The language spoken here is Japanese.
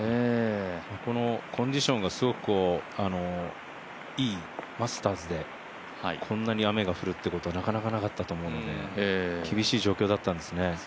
このコンディションがすごくいいマスターズでこんなに雨が降るってことはなかなかなかったと思うので厳しい状況だったんですね。